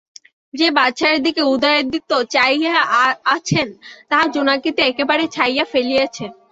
যে বাঁশঝাড়ের দিকে উদয়াদিত্য চাহিয়া আছেন তাহা জোনাকিতে একেবারে ছাইয়া ফেলিয়াছে।